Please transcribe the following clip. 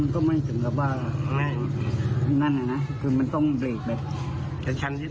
มันก็ไม่ถึงกระบาดนั้นน่ะคือมันต้องบริกไป